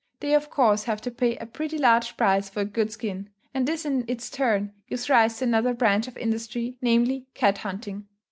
They of course have to pay a pretty large price for a good skin; and this in its turn gives rise to another branch of industry, namely, cat hunting.